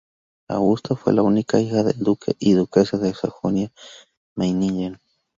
Augusta fue la única hija del duque y la duquesa de Sajonia-Meiningen.